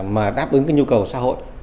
mà đáp ứng nhu cầu xã hội